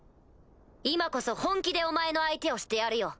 今こそ本気でお前の相手をしてやるよ。